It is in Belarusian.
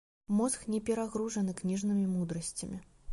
Мозг не перагружаны кніжнымі мудрасцямі.